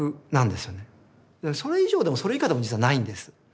でもそれ以上でもそれ以下でも実はないんです。